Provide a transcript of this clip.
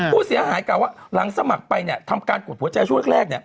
ผู้เสียหายกล่าวว่าหลังสมัครไปทำการกดหัวใจช่วงแรก